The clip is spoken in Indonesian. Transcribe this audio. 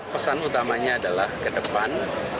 pesan utamanya adalah ke depan